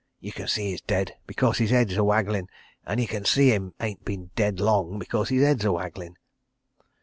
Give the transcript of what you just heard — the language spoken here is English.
... You can see 'e's dead becos 'is 'ead's a waggling and you can see 'e ain't bin dead long becos 'is 'ead's a waggling.